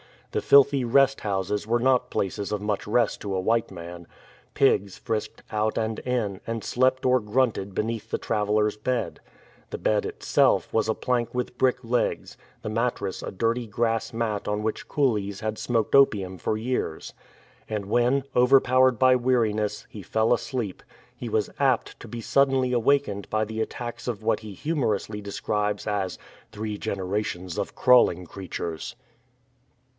The filthy rest houses were not places of much rest to a white man. Pigs frisked out and in, and slept or grunted beneath the traveller's bed. The bed itself was a plank with brick legs, the mattress a dirty grass mat on which coolies had smoked opium for years. And when, overpowered by weariness, he fell asleep, he was apt to be suddenly awakened by the attacks of what he humorously describes as "three generations of crawling creatures."